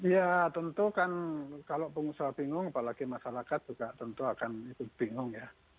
ya tentu kan kalau pengusaha bingung apalagi masyarakat juga tentu akan ikut bingung ya